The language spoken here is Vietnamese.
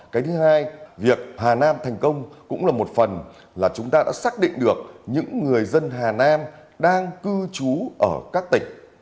cái thứ hai việc hà nam thành công cũng là một phần là chúng ta đã xác định được những người dân hà nam đang cư trú ở các tỉnh